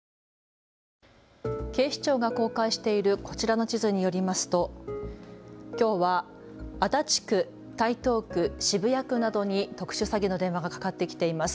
警視庁が公開しているこちらの地図によりますときょうは足立区、台東区、渋谷区などに特殊詐欺の電話がかかってきています。